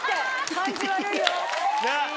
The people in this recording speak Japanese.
感じ悪いよ。